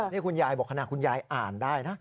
นี่คุณยายบอกขณะคุณยายอ่านได้นะ